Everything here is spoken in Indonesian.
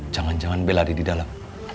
jangan jangan bella ada di dalam